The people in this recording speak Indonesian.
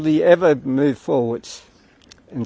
kami hanya bergerak ke depan